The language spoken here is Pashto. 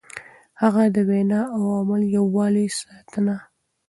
هغه د وينا او عمل يووالی ساته.